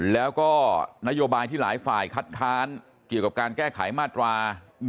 แล้วก็นโยบายที่หลายฝ่ายคัดค้านเกี่ยวกับการแก้ไขมาตรา๑๑